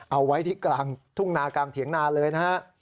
เอาไว้ที่กลางทุ่งนากลางเถียงนาเลยนะฮะ